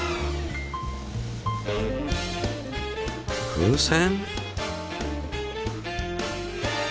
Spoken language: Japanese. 風船？